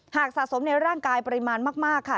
สะสมในร่างกายปริมาณมากค่ะ